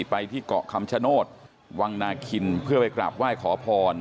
ไปที่เกาะคำชโนธวังนาคินเพื่อไปกราบไหว้ขอพร